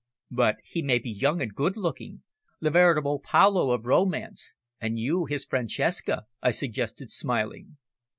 "But he may be young and good looking, the veritable Paolo of romance and you his Francesca," I suggested, smiling.